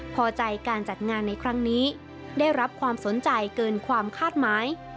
พอใจการจัดงานในครั้งนี้ได้รับความสนใจเกินความคาดหมาย